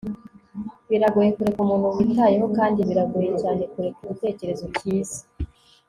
biragoye kureka umuntu witayeho kandi biragoye cyane kureka igitekerezo cyiza